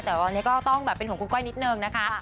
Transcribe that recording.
แต่ตอนนี้ก็ต้องแบบเป็นห่วงคุณก้อยนิดนึงนะคะ